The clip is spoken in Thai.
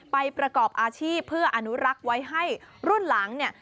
ประกอบอาชีพเพื่ออนุรักษ์ไว้ให้รุ่นหลังเนี่ย